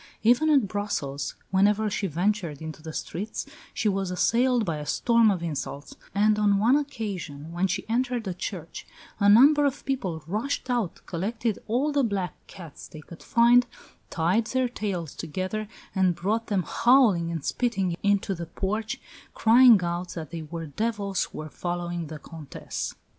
Even at Brussels, whenever she ventured into the streets she was assailed by a storm of insults; and on one occasion, when she entered a church, "a number of people rushed out, collected all the black cats they could find, tied their tails together, and brought them howling and spitting into the porch, crying out that they were devils who were following the Comtesse."